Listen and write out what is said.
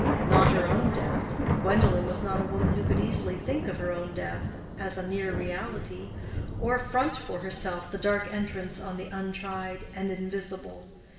Not her own death. Gwendolen was not a woman who could easily think of her own death as a near reality, or front for herself the dark entrance on the untried and invisible.